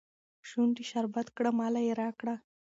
شونډي شربت کړه ماله يې راکړه